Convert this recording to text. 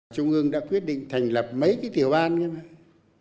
trung ương đã quyết định thành lập mấy cái tiểu ban